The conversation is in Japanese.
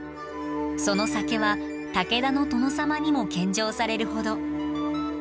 その酒は武田の殿様にも献上されるほど。